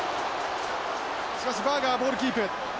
しかしバーガーボールキープ。